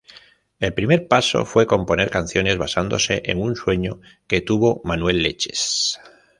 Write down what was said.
El primer paso fue componer canciones basándose en un sueño que tuvo Manuel "Leches".